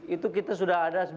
itu kita sudah ada sembilan belas